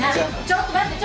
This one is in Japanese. ちょっと待って。